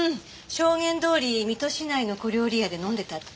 証言どおり水戸市内の小料理屋で飲んでたって。